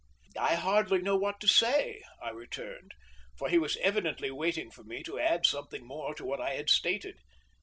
"I hardly know what to say," I returned, for he was evidently waiting for me to add something more to what I had stated.